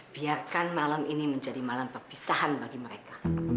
biarkan malam ini menjadi malam perpisahan bagi mereka